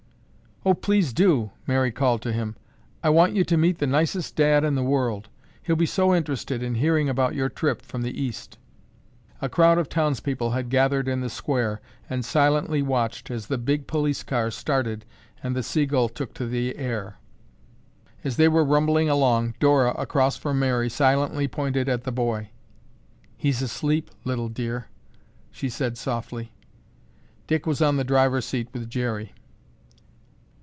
"Oh, please do!" Mary called to him. "I want you to meet the nicest dad in the world. He'll be so interested in hearing about your trip from the East." A crowd of townspeople had gathered in the square and silently watched as the big police car started and the "Seagull" took to the air. As they were rumbling along, Dora, across from Mary, silently pointed at the boy. "He's asleep, little dear," she said softly. Dick was on the driver's seat with Jerry.